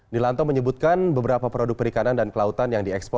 nilanto menyebutkan beberapa produk perikanan dan kelautan yang diekspor